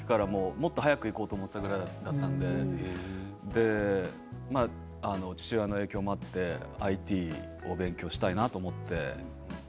もっと早く行こうと思っていたので父親の影響もあってＩＴを勉強したいなと思って。